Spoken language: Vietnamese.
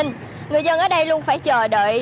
người dân ở đây luôn phải chờ đợi